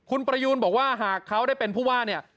คุณประยูนบอกว่าหากเขาได้เป็นผู้ว่าเนี่ย